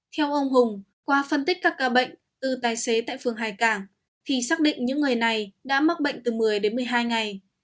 theo ông hùng qua phân tích các ca bệnh từ tài xế tại phường hải cảng thì xác định những người này đã mắc bệnh từ một mươi đến một mươi hai ngày